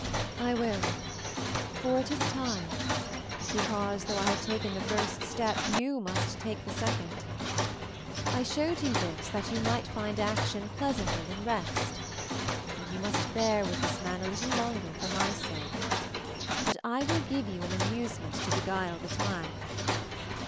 "I will, for it is tune, because though I have taken the first step you must take the second. I showed you this that you might find action pleasanter than rest, and you must bear with this man a little longer for my sake, but I will give you an amusement to beguile the time.